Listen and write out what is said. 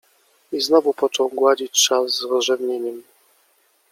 I znowu począł gładzić szal z rozrzewnieniem.